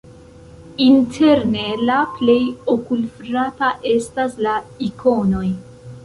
Interne la plej okulfrapa estas la ikonoj.